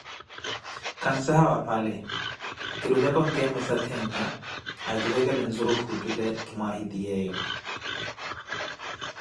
Kansahau aphale, kirutaka onikeemesa opheya akivekele mwanakhu otule ki mwaahitiyeeyo.